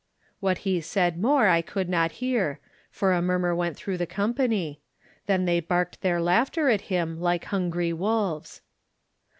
What he said more I could not hear, for a murmur went through the company; then they barked their laughter at him like hungry wolves.